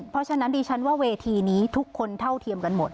เพราะฉะนั้นดิฉันว่าเวทีนี้ทุกคนเท่าเทียมกันหมด